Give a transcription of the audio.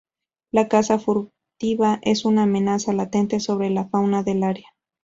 La caza furtiva es una amenaza latente sobre la fauna del área.